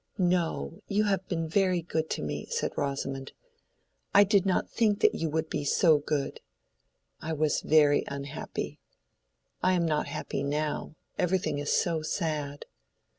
"No, you have been very good to me," said Rosamond. "I did not think that you would be so good. I was very unhappy. I am not happy now. Everything is so sad."